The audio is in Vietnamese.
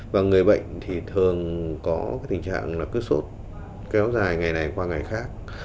và người bệnh thì thường có cái tình trạng là cứ sốt kéo dài ngày này qua ngày khác